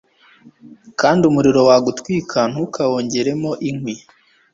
kandi umuriro wagutwika ntukawongeremo inkwi